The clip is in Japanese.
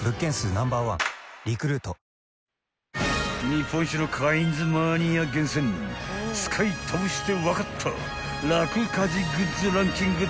［日本一のカインズマニア厳選使い倒して分かった楽カジグッズランキング